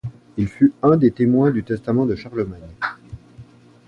Il fut un des témoins du testament de Charlemagne.